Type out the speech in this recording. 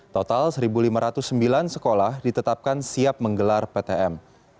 total satu lima ratus sembilan sekolah ditetapkan siap menggelar ptm